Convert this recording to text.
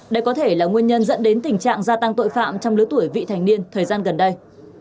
đây có thể là nguyên nhân dẫn đến tình trạng gia tăng tội phạm trong lứa tuổi vị thành niên thời gian gần đây